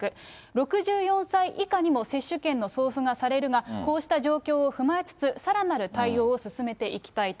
６４歳以下にも接種券の送付がされるが、こうした状況を踏まえつつ、さらなる対応を進めていきたいと。